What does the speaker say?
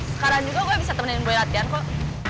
sekarang juga gue bisa temenin boy latihan kok